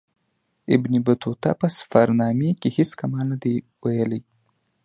ابن بطوطه په سفرنامې کې هیڅ کمال نه دی ویلی.